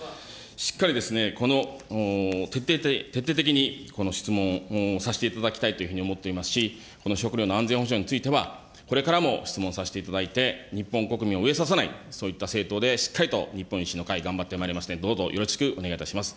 しっかりですね、この徹底的に、この質問させていただきたいというふうに思っていますし、この食料の安全保障についてはこれからも質問させていただいて、日本国民を飢えさせない、そういった政党で、しっかり日本維新の会、頑張ってまいりますので、どうぞよろしくお願いいたします。